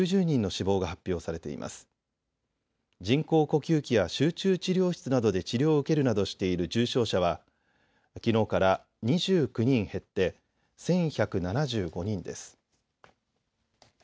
人工呼吸器や集中治療室などで治療を受けるなどしている重症者はきのうから２９人減って１１７５人です。